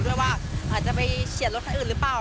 ด้วยว่าอาจจะไปเฉียดรถคันอื่นหรือเปล่า